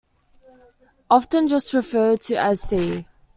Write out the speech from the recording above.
Often just referred to as C.